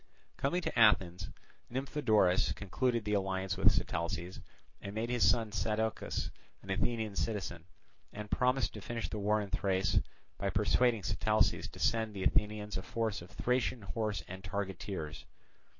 Coming to Athens, Nymphodorus concluded the alliance with Sitalces and made his son Sadocus an Athenian citizen, and promised to finish the war in Thrace by persuading Sitalces to send the Athenians a force of Thracian horse and targeteers.